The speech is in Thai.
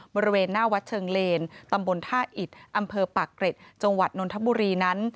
บริเวณหน้าวัดเชิงเลนตำบลท่าอิดอำเภอปากเกร็ดจังหวัดนนทบุรีนั้น